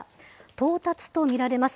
到達と見られます。